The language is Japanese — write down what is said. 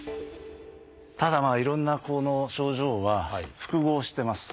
ただいろんなこの症状は複合してます。